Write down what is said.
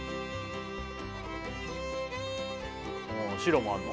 白もあんの？